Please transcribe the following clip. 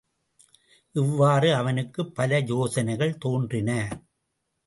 இவ்வாறு அவனுக்குப் பல யோசனைகள் தோன்றின.